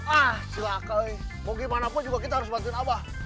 ah silahkan mau gimana pun juga kita harus bantuin abah